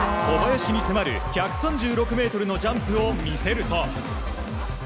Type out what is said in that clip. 小林に迫る１３６ｍのジャンプを見せると。